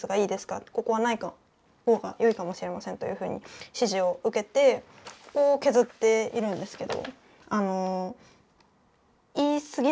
ここはない方がよいかもしれません」というふうに指示を受けてここを削っているんですけど。